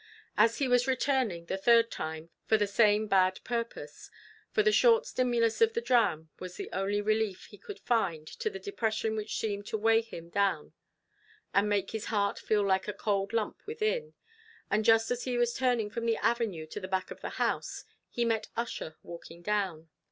As he was returning, the third time, for the same bad purpose, for the short stimulus of the dram was the only relief he could find to the depression which seemed to weigh him down and make his heart feel like a cold lump within him, and just as he was turning from the avenue to the back of the house, he met Ussher walking down.